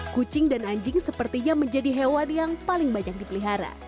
kucing dan anjing sepertinya menjadi hewan yang paling banyak dipelihara